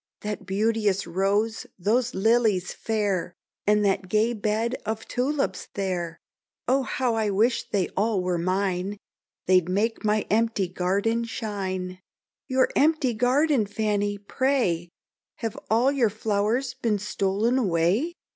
That beauteous rose, those lilies fair, And that gay bed of tulips there! Oh! how I wish they all were mine, They'd make my empty garden shine." "Your empty garden, Fanny! pray Have all your flowers been stol'n away?